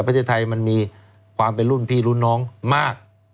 ประเทศไทยมันมีความเป็นรุ่นพี่รุ่นน้องมาก